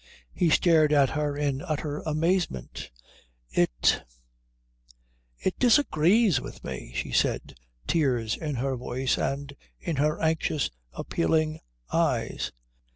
He stared at her in utter amazement. "It it disagrees with me," she said, tears in her voice and in her anxious, appealing eyes.